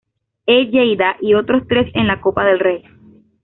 E. Lleida y otros tres en la Copa del Rey.